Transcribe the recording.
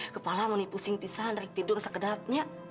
kepala meneh pusing pisah ngerik tidur sekedapnya